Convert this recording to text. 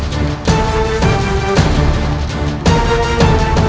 saatnya sekarang kita beraksi